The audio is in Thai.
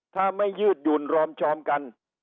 ถ้าไม่ยืดหยุ่นรอมชอมกัน